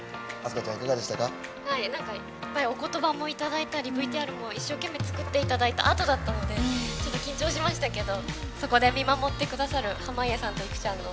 いっぱいお言葉もいただいたりＶＴＲも一生懸命作っていただいたあとだったのでちょっと緊張しましたけどそこで見守ってくださる濱家さんと、いくちゃんの